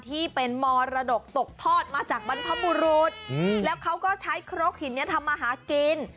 ที่เป็นมรดกตกทอดมาจากบรรพบุรุษแล้วเขาก็ใช้ครกหินนี้ทำมาหากิน